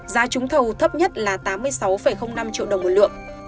giá trúng thầu thấp nhất là tám mươi sáu năm triệu đồng một lượng